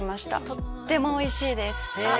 とってもおいしいですあっ